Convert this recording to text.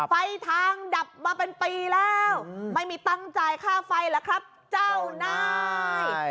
ไฟทางดับมาเป็นปีแล้วไม่มีตังค์จ่ายค่าไฟเหรอครับเจ้านาย